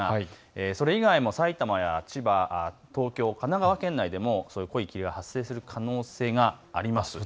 それ以外もさいたまや千葉、東京、神奈川県内でも濃い霧が発生する可能性があります。